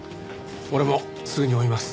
俺もすぐに追います。